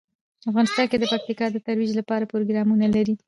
افغانستان د پکتیکا د ترویج لپاره پروګرامونه لري.